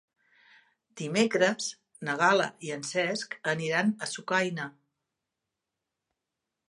Dimecres na Gal·la i en Cesc aniran a Sucaina.